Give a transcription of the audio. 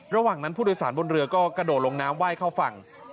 ระหว่างนั้นผู้โดยสารบนเรือก็กระโดดลงน้ำไหว้เข้าฝั่ง